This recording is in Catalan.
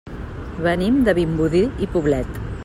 Venim de Vimbodí i Poblet.